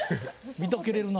見とけるな。